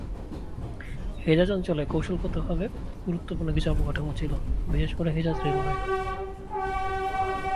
হেজাজ অঞ্চলে কৌশলগতভাবে গুরুত্বপূর্ণ কিছু অবকাঠামো ছিল, বিশেষ করে হেজাজ রেলওয়ে।